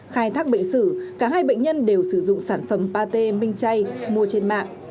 khai thác bệnh sử cả hai bệnh nhân đều sử dụng sản phẩm pate minh chay mua trên mạng